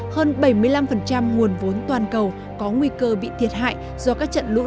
họ là những người có thể thay đổi cuộc chiến